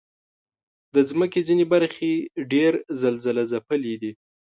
د مځکې ځینې برخې ډېر زلزلهځپلي دي.